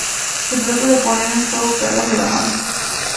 Se trata de poner en juego cartas de la mano.